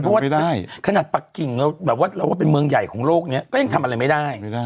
เพราะว่าขนาดปักกิ่งเราแบบว่าเราว่าเป็นเมืองใหญ่ของโลกนี้ก็ยังทำอะไรไม่ได้